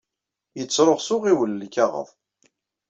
Yettṛuɣ s uɣiwel lkaɣeḍ.